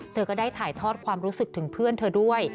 เธอก็ได้ถ่ายทอดความรู้สึกถึงเพื่อนเธอด้วย